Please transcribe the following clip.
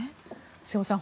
瀬尾さん